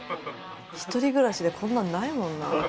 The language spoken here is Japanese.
一人暮らしでこんなのないもんな。